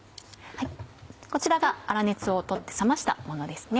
こちらが粗熱を取って冷ましたものです。